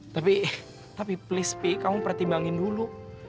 tapi tapi please pi kamu pertimbangin dulu